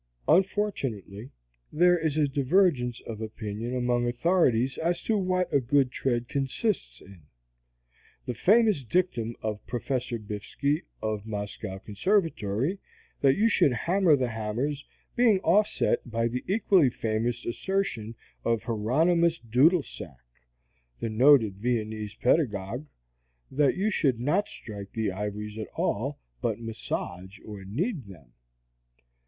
Unfortunately, there is a divergence of opinion among authorities as to what a good tread consists in; the famous dictum of Prof. Biffski, of Moscow Conservatory, that you should hammer the hammers, being offset by the equally famous assertion of Hieronimus Dudelsack, the noted Viennese pedagogue, that you should not strike the ivories at all, but massage, or knead them.